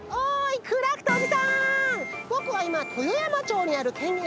ぼくはいま豊山町にあるけんえ